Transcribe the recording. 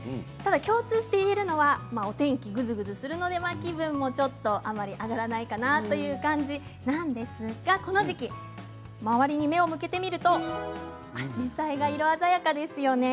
共通して言えるのはお天気がぐずぐずするため気分もちょっとあまり上がらないかなという感じなんですがこの時期周りに目を向けてみるとアジサイが色鮮やかですよね。